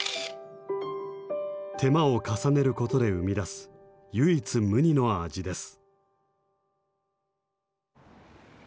手間を重ねることで生み出す唯一無二の味です。